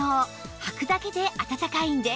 履くだけであたたかいんです